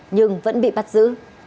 nhưng vẫn bị bắt giữ